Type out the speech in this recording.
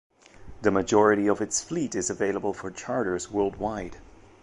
The majority of its fleet is available for charters worldwide.